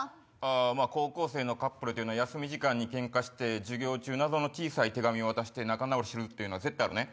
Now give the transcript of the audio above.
まぁ高校生のカップルというのは休み時間にケンカして授業中謎の小さい手紙を渡して仲直りするというのは絶対あるね。